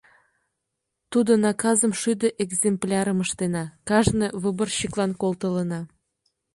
Тудо наказым шӱдӧ экземплярым ыштена, кажне выборщиклан колтылына.